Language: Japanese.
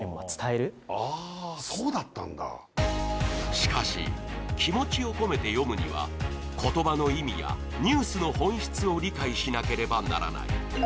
しかし、気持ちを込めて読むには言葉の意味やニュースの本質を理解しなければならない。